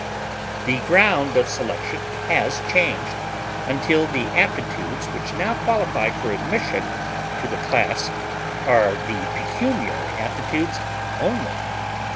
The ground of selection has changed, until the aptitudes which now qualify for admission to the class are the pecuniary aptitudes only.